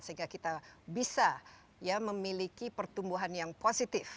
sehingga kita bisa memiliki pertumbuhan yang positif